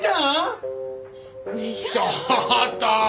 ちょっと！